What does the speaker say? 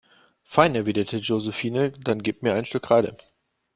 Fein, erwidert Josephine, dann gib mir ein Stück Kreide.